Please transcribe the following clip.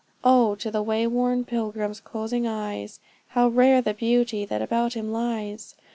Oh! to the way worn pilgrim's closing eyes, How rare the beauty that about him lies!